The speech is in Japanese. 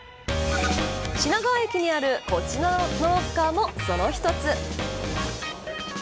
品川駅にあるこちらのロッカーもその一つ。